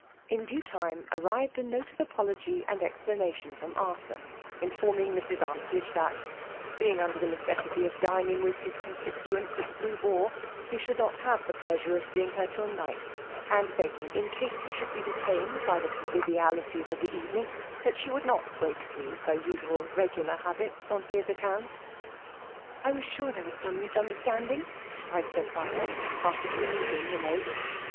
In das time sdonned a note of apology and explanation from Arthur, informing Mrs. Armytage that *' being uikder the necessity of dining with his constituents at the Blue Boar^he should not hove the pleasuzD of seeing her till night ; and begging» in case he should be detained by the conviTialities of the evening, that she would not break through her usual regular habits on his account." FEMAUi DOMINATION. 231 '* I was sure there was some misuitderBtaiid ing/' cried Sophia, after perusing the note.